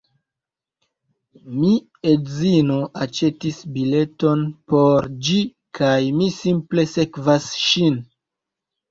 Mi edzino aĉetis bileton por ĝi kaj mi simple sekvas ŝin